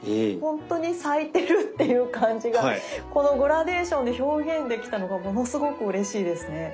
ほんとに咲いてるっていう感じがこのグラデーションで表現できたのがものすごくうれしいですね。